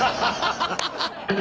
ハハハハ！